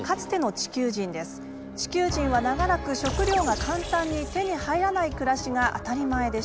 地球人は長らく食料が簡単に手に入らない暮らしが当たり前でした。